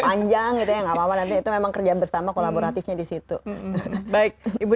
panjang itu ya nggak apa apa nanti itu memang kerja bersama kolaboratifnya disitu baik ibu